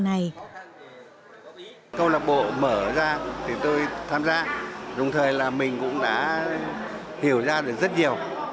câu lạc bộ mở ra thì tôi tham gia đồng thời là mình cũng đã hiểu ra được rất nhiều